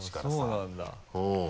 そうなんだ。